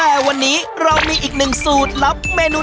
เพราะว่ายังมีอีกหลากหลายเมนู